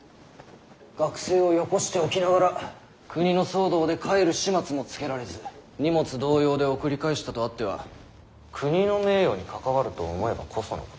学生をよこしておきながら国の騒動で帰る始末もつけられず荷物同様で送り返したとあっては国の名誉に関わると思えばこそのこと。